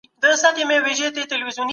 لويه جرګه به هېواد ته سياسي ثبات راولي.